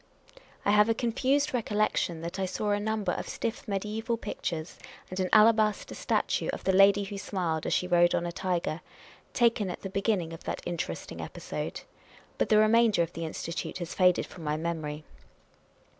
I have a confused recollection that I saw a number of stiff mediaeval pictures, and an alabaster statue of the lady who smiled as she rode on a tiger, taken at the beginning of that interest ing episode. But the remainder of the Institute has faded from my memory.